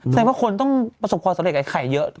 แสดงว่าคนต้องประสบความสำเร็จกับไข่เยอะ